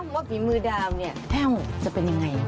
ว่าฝีมือดามเนี่ยแห้วจะเป็นอย่างไร